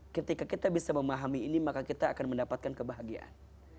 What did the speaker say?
ketika kita bisa memahami ini maka kita akan mendapatkan kebahagiaan